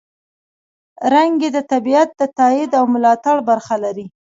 رنګ یې د طبیعت د تاييد او ملاتړ برخه لري.